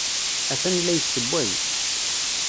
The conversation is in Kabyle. Atan la yessewway.